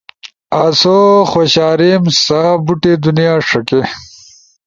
آسو خوشاریم سا بوٹے دنیا ݜکے۔